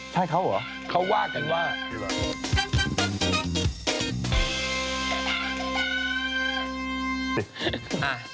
ใช่เขาเหรอเขาว่ากันว่า